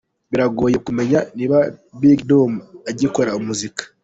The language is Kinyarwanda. Biragoye kumenya niba Big Dom agikora umuziki.